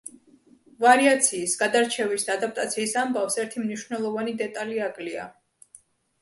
ვარიაციის, გადარჩევის და ადაპტაციის ამბავს ერთი მნიშვნელოვანი დეტალი აკლია.